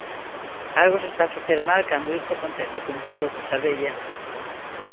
Algo se está a facer mal cando isto acontece, apuntou López Abella.